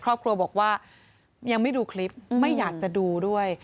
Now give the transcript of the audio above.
ครอบครัวบอกว่ายังไม่ดูคลิปไม่อยากจะดูด้วย